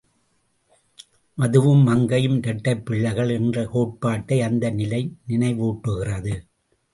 மதுவும் மங்கையும் இரட்டைப் பிள்ளைகள் என்ற கோட்பாட்டை அந்த நிலை நினைவூட்டுகிறது.